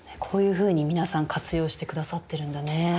こういうふうに皆さん活用してくださってるんだね。